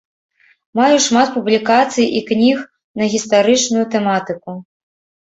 Маю шмат публікацый і кніг на гістарычную тэматыку.